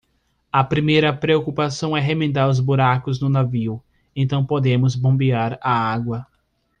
A primeira preocupação é remendar os buracos no navio, então podemos bombear a água.